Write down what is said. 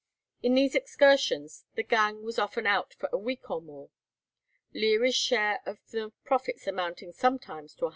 In these excursions the gang was often out for a week or more, Leary's share of the profits amounting sometimes to £100.